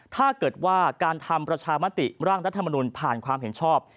ถ้าเกิดว่าการทำประชามติร่างรัฐมนุนผ่านความเห็นชอบ